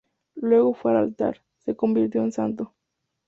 Luego fue al altar, se convirtió en santo.